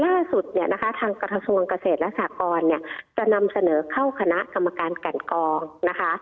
ล่าสุดเนี่ยนะคะทางกระทรวงเกษตรและสากรเนี่ยจะนำเสนอเข้าคณะกรรมการกันกองนะคะ